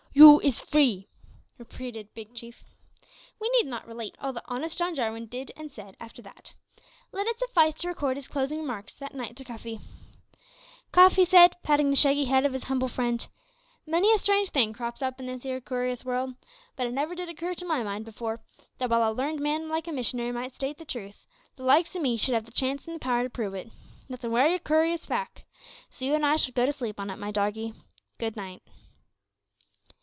"You is free!" repeated Big Chief. We need not relate all that honest John Jarwin said and did after that. Let it suffice to record his closing remarks that night to Cuffy. "Cuff," said he, patting the shaggy head of his humble friend, "many a strange thing crops up in this here koorious world, but it never did occur to my mind before, that while a larned man like a missionary might state the truth, the likes o' me should have the chance an' the power to prove it. That's a wery koorious fact, so you an' I shall go to sleep on it, my doggie good night."